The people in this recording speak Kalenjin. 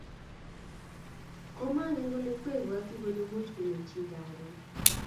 Komangen kole kwebwati kole much konyo chii karoon